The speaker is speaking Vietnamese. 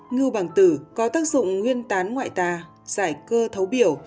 ngư bằng từ có tác dụng nguyên tán ngoại tà giải cơ thấu biểu